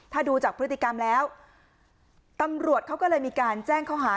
ถ้าดูจากพฤติกรรมแล้วตำรวจเขาก็เลยมีการแจ้งเขาหา